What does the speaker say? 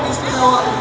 kapten terbang zix